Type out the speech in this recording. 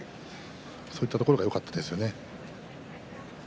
そういったところがよかったですね。